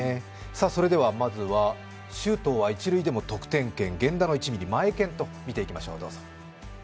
それではまずは周東は一塁でも得点圏、源田の１ミリ、マエケンと見ていきましょう。